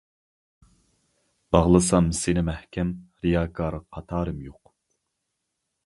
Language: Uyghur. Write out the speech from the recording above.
باغلىسام سىنى مەھكەم، رىياكار قاتارىم يوق.